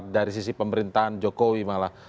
dari sisi pemerintahan jokowi malah